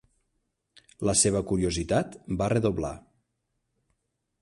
La seva curiositat va redoblar.